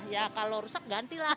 ya kalau rusak ganti lah